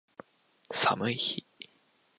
寒い日